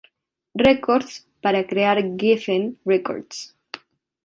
Records para crear Geffen Records.